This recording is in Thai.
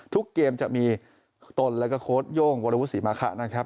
ทุกเกมจะมีตนแล้วก็โค้ดโย่งวรวุศิมาคะนะครับ